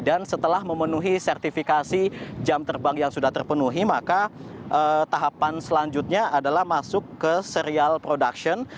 dan setelah memenuhi sertifikasi jam terbang yang sudah terpenuhi maka tahapan selanjutnya adalah masuk ke serial production